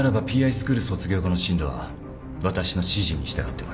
スクール卒業後の進路は私の指示に従ってもらう。